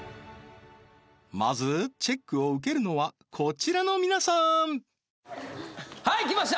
まずチェックを受けるのはこちらの皆さーんはい来ました